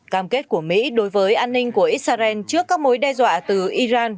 cam kết của mỹ đối với an ninh của israel trước các mối đe dọa từ iran